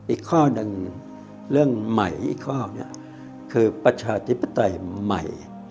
อีกข้อหนึ่งเรื่องใหม่อีกข้อหนึ่งคือประชาธิปไตยใหม่